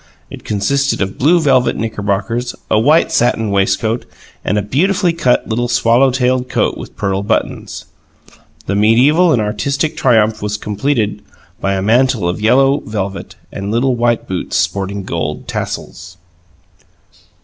It consisted of blue velvet knickerbockers, a white satin waistcoat, and a beautifully cut little swallow tailed coat with pearl buttons. The medieval and artistic triumph was completed by a mantle of yellow velvet, and little white boots, sporting gold tassels.